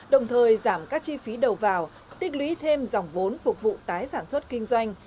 đồng thời giảm các chi phí đầu vào tích lý thêm dòng vốn phục vụ tái sản xuất kinh doanh